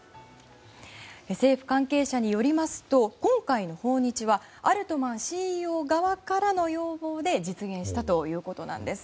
政府関係者によりますと今回の訪日はアルトマンＣＥＯ側からの要望で実現したということなんです。